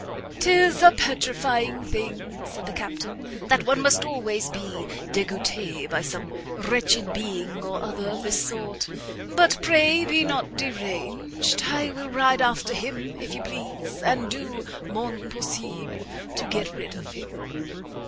"'Tis a petrifying thing," said the captain, "that one must always be degouté by some wretched being or other of this sort; but pray be not deranged, I will ride after him, if you please, and do mon possible to get rid of him."